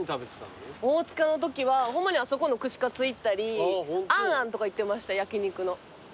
大塚のときはホンマにあそこの串カツ行ったり安安とか行ってました焼き肉の。